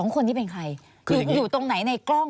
๒คนนี้เป็นใครคืออยู่ตรงไหนในกล้อง